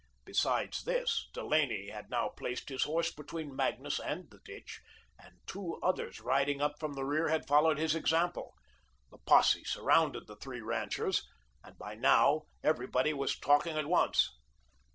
Besides this, Delaney had now placed his horse between Magnus and the ditch, and two others riding up from the rear had followed his example. The posse surrounded the three ranchers, and by now, everybody was talking at once.